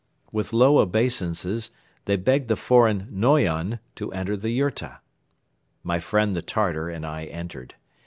With low obeisances they begged the foreign "Noyon" to enter the yurta. My friend the Tartar and I entered.